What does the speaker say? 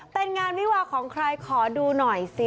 เป็นงานวิวาของใครขอดูหน่อยสิ